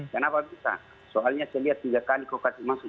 kenapa bisa soalnya saya lihat tiga kali kau kasih masuk